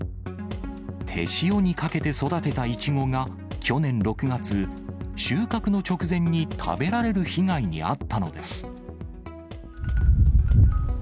手塩にかけて育てたイチゴが去年６月、収穫の直前に食べられる被害に遭ったのです。